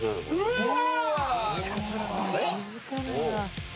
うわ！